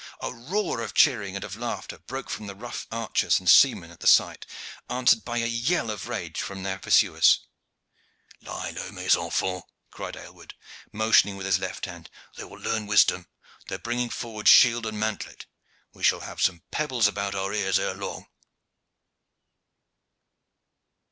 A roar of cheering and of laughter broke from the rough archers and seamen at the sight, answered by a yell of rage from their pursuers. "Lie low, mes enfants," cried Aylward, motioning with his left hand. "They will learn wisdom. They are bringing forward shield and mantlet. We shall have some pebbles about our ears ere long."